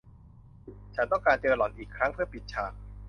ฉันต้องการเจอหล่อนอีกครั้งเพื่อปิดฉาก